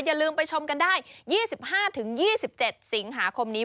อย่าลืมไปชมกันได้๒๕๒๗สิงหาคมนี้